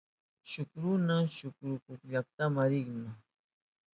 Shuk runa shuk karu llaktama rinma.